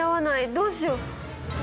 どうしよう！？